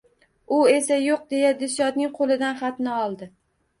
U esa Yo`q, deya Dilshodning qo`lidan xatini oldi